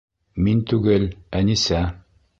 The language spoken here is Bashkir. Мин түгел, Әнисә.